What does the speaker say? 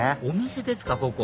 お店ですか！